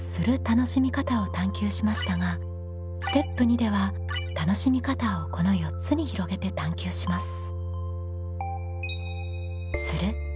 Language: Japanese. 楽しみ方を探究しましたがステップ２では楽しみ方をこの４つに広げて探究します。